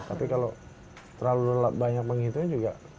tapi kalau terlalu banyak menghitung juga